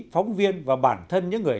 phóng viên và bản thân những người